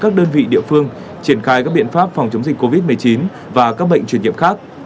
các đơn vị địa phương triển khai các biện pháp phòng chống dịch covid một mươi chín và các bệnh truyền nhiễm khác